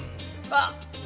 あっ。